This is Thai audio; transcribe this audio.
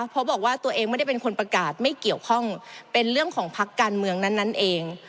เพราะบอกว่าตัวเองไม่ได้เป็นคนประกาศไม่เกี่ยวข้องเป็นเรื่องของพักการเมืองนั้นเอง